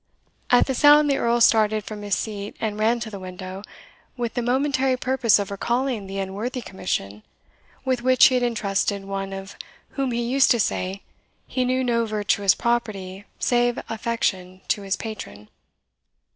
At the sound the Earl started from his seat, and ran to the window, with the momentary purpose of recalling the unworthy commission with which he had entrusted one of whom he used to say he knew no virtuous property save affection to his patron.